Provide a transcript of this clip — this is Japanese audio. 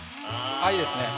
いいですね。